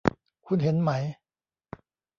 คุณเห็นไหม